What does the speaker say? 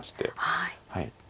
はい。